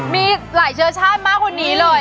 มีหลายเชื้อชาติมากคนนี้เลย